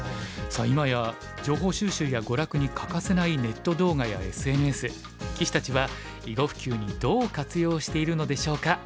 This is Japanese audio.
さあ今や情報収集や娯楽に欠かせないネット動画やＳＮＳ棋士たちは囲碁普及にどう活用しているのでしょうか。